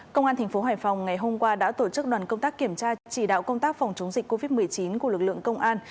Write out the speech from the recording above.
công an thành phố hải phòng ngày hôm qua đã tổ chức đoàn công tác kiểm tra chỉ đạo công tác phòng chống dịch covid một mươi chín của lực lượng công an